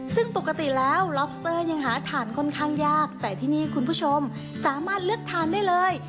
ซึ่งปกติแล้วล็อบสเตอร์ยังหาทานค่อนข้างยากแต่ที่นี่คุณผู้ชมสามารถเลือกทานได้เลย